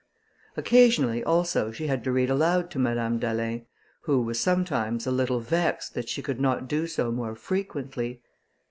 Occasionally also she had to read aloud to Madame d'Alin, who was sometimes a little vexed that she could not do so more frequently.